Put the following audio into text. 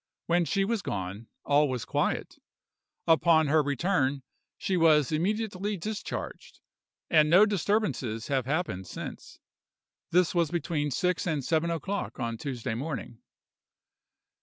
When she was gone, all was quiet. Upon her return she was immediately discharged, and no disturbances have happened since. This was between six and seven o'clock on Tuesday morning.